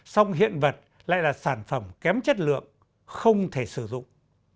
song hiện vật lại là sản phẩm kém chất lượng không thể sử dụng